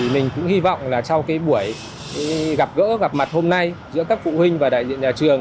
mình cũng hy vọng là sau buổi gặp gỡ gặp mặt hôm nay giữa các phụ huynh và đại diện nhà trường